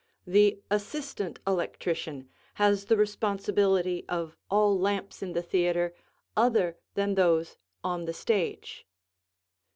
The Assistant Electrician has the responsibility of all lamps in the theatre other than those on the stage.